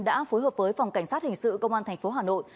đã phối hợp với phòng cảnh sát hình sự công an thành phố hà nội